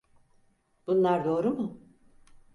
Bunlar doğru mu?